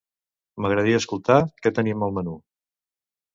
M'agradaria escoltar què tenim al menú.